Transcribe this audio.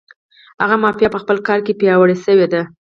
هغه مافیا په خپل کار کې پیاوړې شوې ده.